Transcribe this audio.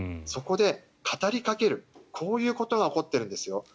そこで語りかけるこういうことが起こっているんですよ